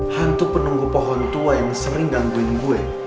hantu penunggu pohon tua yang sering hantuin gue